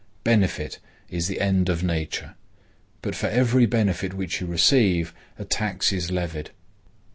Benefit is the end of nature. But for every benefit which you receive, a tax is levied.